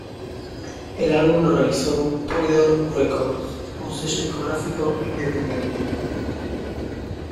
El álbum lo realizó Polydor Records, un sello discográfico independiente.